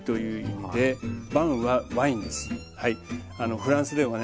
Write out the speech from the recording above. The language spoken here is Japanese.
フランスではね